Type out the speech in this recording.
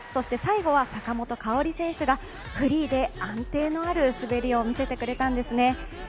最後は坂本花織選手がフリーで安定のある滑りを見せてくれたんですね。